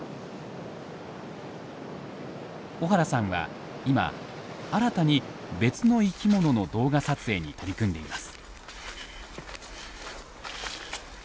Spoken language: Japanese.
小原さんは今新たに別の生きものの動画撮影に取り組んでいます。